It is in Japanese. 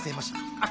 あっ！